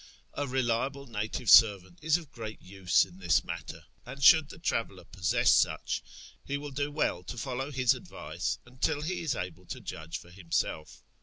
A reliable native servant is of great use in this matter ; and should the traveller possess such, he will do well to follow his advice until he is able to judge for himself.